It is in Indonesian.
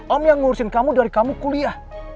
om yang ngurusin kamu dari kamu kuliah